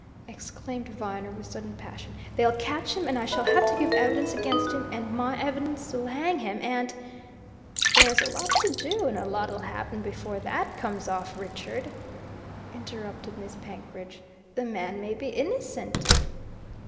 exclaimed Viner with sudden passion. "They'll catch him, and I shall have to give evidence against him, and my evidence'll hang him, and " "There's a lot to do, and a lot'll happen before that comes off, Richard," interrupted Miss Penkridge. "The man may be innocent."